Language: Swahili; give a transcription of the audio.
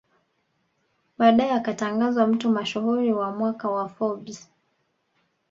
Baadae akatangazwa mtu mashuhuri wa mwaka wa Forbes